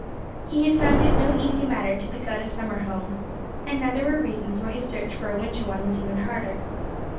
He had found it no easy matter to pick out a summer home. And now there were reasons why his search for a winter one was even harder.